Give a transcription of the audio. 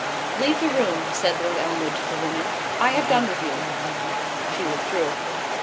"Leave the room," said Lord Elmwood to the woman, "I have done with you." She withdrew.